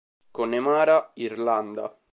Connemara, Irlanda.